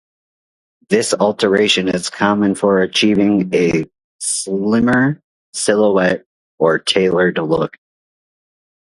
This alteration is common for achieving a slimmer silhouette or tailored look.